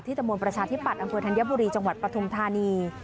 ตะมนต์ประชาธิปัตย์อำเภอธัญบุรีจังหวัดปฐุมธานี